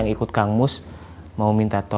dipukul suami saya